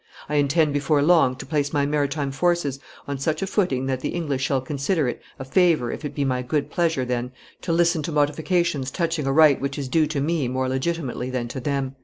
I intend before long to place my maritime forces on such a footing that the English shall consider it a favor if it be my good pleasure then to listen to modifications touching a right which is due to me more legitimately than to them."